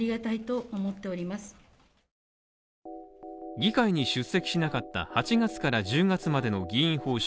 議会に出席しなかった８月から１０月までの議員報酬